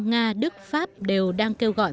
nga đức pháp đều đang kêu gọi